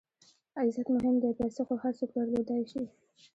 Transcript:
عزت مهم دئ، پېسې خو هر څوک درلودلای سي.